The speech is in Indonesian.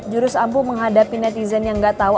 jurus ampuh menghadapi netizen yang gak tau